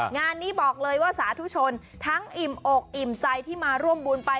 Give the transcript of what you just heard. งานนี้บอกเลยว่าสาธุชนทั้งอิ่มอกอิ่มใจที่มาร่วมบุญไป